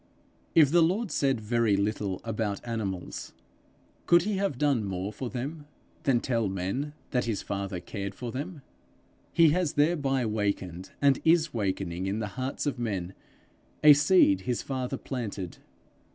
If the Lord said very little about animals, could he have done more for them than tell men that his father cared for them? He has thereby wakened and is wakening in the hearts of men a seed his father planted.